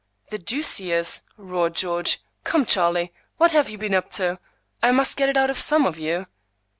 "The deuce he is!" roared George. "Come, Charlie, what have you been up to? I must get it out of some of you."